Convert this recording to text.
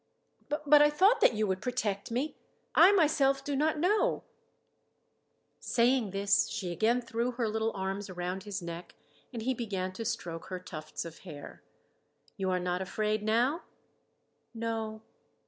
"But I thought that you would protect me I myself do not know " Saying this she again threw her little arms around his neck, and he began to stroke her tufts of hair. "You are not afraid, now?" "No."